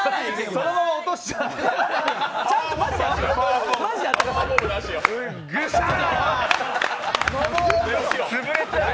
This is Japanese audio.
そのまま落としちゃえ！